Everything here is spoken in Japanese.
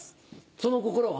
その心は？